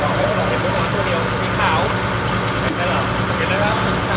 ไม่ค่อยไม่ค่อยไม่ค่อย